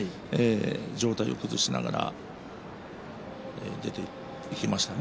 上体も崩しながら出ていきましたね。